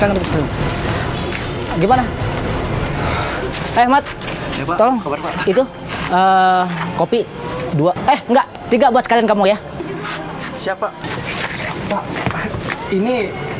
hai gimana hai ahmad tolong itu kopi dua eh enggak tiga buat kalian kamu ya siapa ini